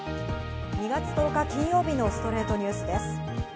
２月１０日、金曜日の『ストレイトニュース』です。